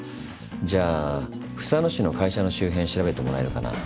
じゃあ房野市の会社の周辺調べてもらえるかな？